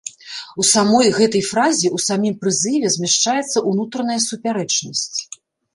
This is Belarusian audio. У самой гэтай фразе, у самім прызыве змяшчаецца ўнутраная супярэчнасць.